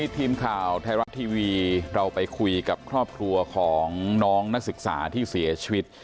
ทีมข่าวไทยรัฐทีวีเราไปคุยกับครอบครัวของน้องนักศึกษาที่เสียชีวิต